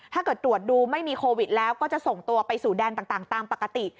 ถ้าเกิดตรวจดูไม่มีโควิดแล้วก็จะส่งตัวไปสู่แดนต่างตามปกติ